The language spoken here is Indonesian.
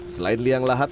selain liang lahat